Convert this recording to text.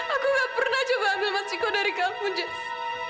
aku gak pernah coba ambil mas chiko dari kamu jess